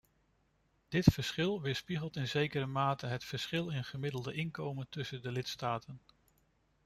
Dit verschil weerspiegelt in zekere mate het verschil in gemiddeld inkomen tussen de lidstaten.